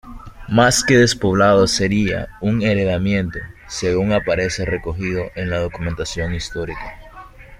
Más que despoblado sería un heredamiento, según aparece recogido en la documentación histórica.